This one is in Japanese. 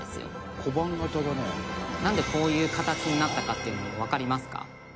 「なんでこういう形になったかっていうのわかりますか？」